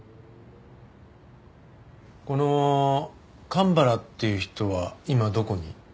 この神原っていう人は今どこに？